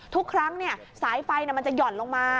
ทุกครั้งสายไฟมันจะห่อนลงมา